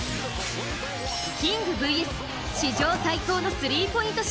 キングＶＳ史上最高のスリーポイント